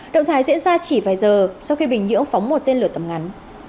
động thái diễn ra chỉ vài giờ sau khi bình nhưỡng phóng một tên lửa tầm ngắn